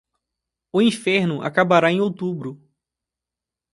O inferno acabará em outubro